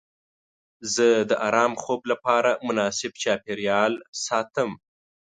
زه د ارام خوب لپاره مناسب چاپیریال ساتم.